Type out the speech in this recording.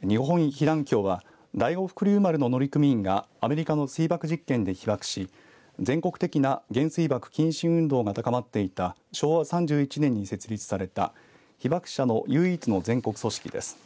日本被団協は第五福竜丸の乗組員がアメリカの水爆実験で被爆し全国的な原水爆禁止運動が高まっていた昭和３１年に設立された被爆者の唯一の全国組織です。